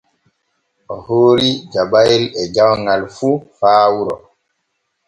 O hoori jabayel e jawŋal fu faa wuro.